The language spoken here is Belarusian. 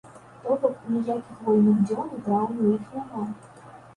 То бок, ніякіх вольных дзён у траўні ў іх няма.